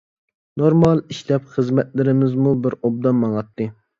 نورمال ئىشلەپ خىزمەتلىرىمىزمۇ بىر ئوبدان ماڭاتتى.